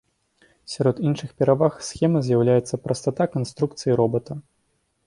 Сярод іншых пераваг схемы з'яўляецца прастата канструкцыі робата.